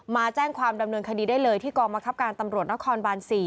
มาแจ้งความดำเนินคดีได้เลยที่กองบังคับการตำรวจนครบาน๔